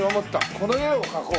この絵を描こう！